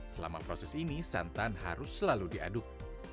selama proses ini santan harus selalu diaduk